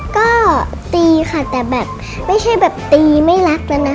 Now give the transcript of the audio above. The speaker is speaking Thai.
ก็ตีค่ะแต่แบบไม่ใช่แบบตีไม่รักแล้วนะ